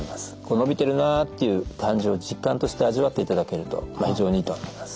伸びてるなっていう感じを実感として味わっていただけると非常にいいと思います。